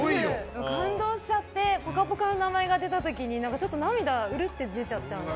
感動しちゃって「ぽかぽか」の名前が出た時にちょっと涙うるって出ちゃったんです。